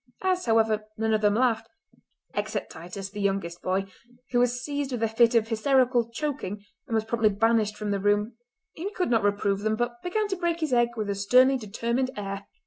As, however, none of them laughed—except Titus, the youngest boy, who was seized with a fit of hysterical choking and was promptly banished from the room—he could not reprove them, but began to break his egg with a sternly determined air.